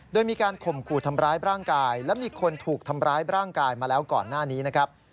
โดยมีการข่มขู่ทำร้ายร่างกายและมีคนถูกทำร้ายร่างกายมาแล้วก่อนหน้านี้นะครับ